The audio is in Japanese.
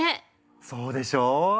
そうでしょう！